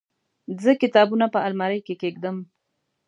زه کتابونه په المارۍ کې کيږدم.